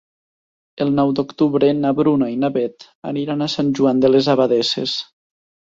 El nou d'octubre na Bruna i na Beth aniran a Sant Joan de les Abadesses.